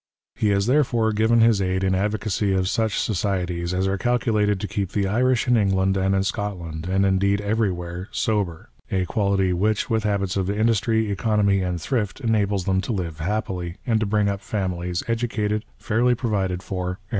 He has therefore given his aid in advocacy of such societies as are calculated to keep the Irish in England and in Scotland, and indeed everywhere, sober, — a quality which, with habits of industry, economy, and thrift, enables them to live happily, and to bring up famihes educated, fairly provided for, and PREFACE.